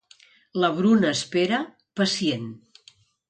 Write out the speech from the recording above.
La Bruna espera, pacient.